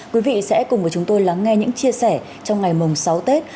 quý vị sẽ cùng với chúng tôi lắng nghe những chia sẻ trong ngày mùng sáu tết